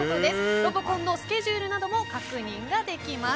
ロボコンのスケジュールなども確認ができます。